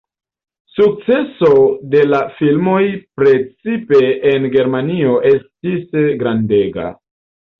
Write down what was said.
Sukceso de la filmoj precipe en Germanio estis grandega.